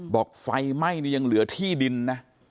ไฟไหม้นี่ยังเหลือที่ดินนะ